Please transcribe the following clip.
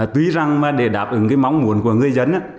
tuy rằng để đạt ứng mong muốn của người dân